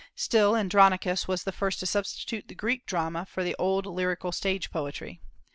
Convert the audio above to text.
Still, Andronicus was the first to substitute the Greek drama for the old lyrical stage poetry.